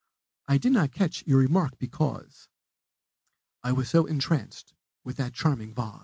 "I did not catch your remark, because I was so entranced with that charming vaws!"